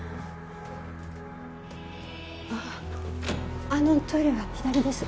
ああのトイレは左です